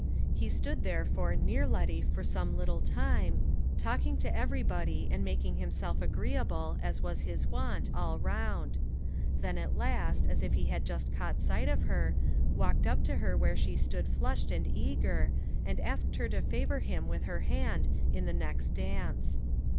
He stood therefore near Letty for some little time, talking to everybody, and making himself agreeable, as was his wont, all round; then at last, as if he had just caught sight of her, walked up to her where she stood flushed and eager, and asked her to favor him with her hand in the next dance.